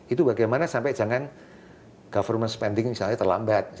itu bagaimana sampai jangan spending pemerintah misalnya terlambat